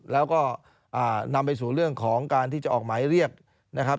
แล้วก็นำไปสู่เรื่องของการที่จะออกหมายเรียกนะครับ